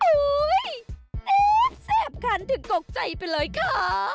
อุ๊ยแซ่บขันถึงกกใจไปเลยค่ะ